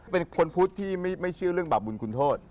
เป็นคนพูดในโลกได้ใช่ปฏิเสธอย่างบาปบุญคุณโทษ